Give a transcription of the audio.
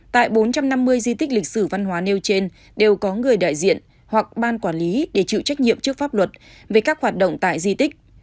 tại bốn trăm năm mươi di tích lịch sử văn hóa nêu trên đều có người đại diện hoặc ban quản lý để chịu trách nhiệm trước pháp luật về các hoạt động tại di tích